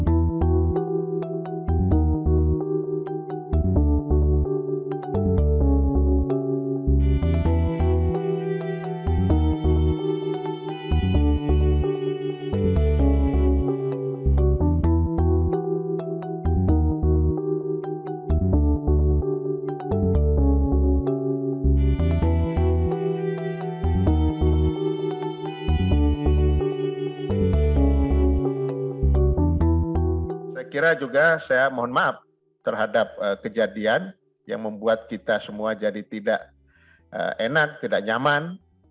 saya kira juga saya mohon maaf terhadap kejadian yang membuat kita semua jadi tidak enak tidak nyaman